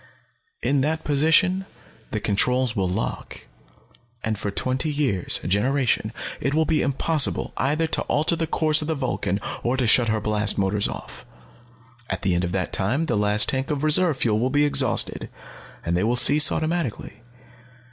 In that position the controls will lock. And for twenty years, a generation, it will be impossible either to alter the course of the Vulcan or to shut her blast motors off. "At the end of that time the last tank of reserve fuel will be exhausted, and they will cease automatically.